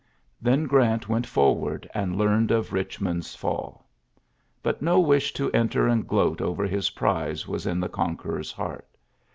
Then Grant went forward, and learned of Eichmond's fall. But no wish to enter and gloat over his prize was in the conqueror's heart.